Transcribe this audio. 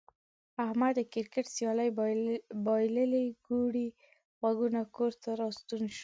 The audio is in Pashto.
احمد د کرکټ سیالي بایللې کوړی غوږونه کور ته راستون شو.